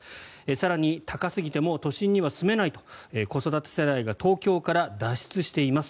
更に、高すぎてもう都心には住めないと子育て世代が東京から脱出しています。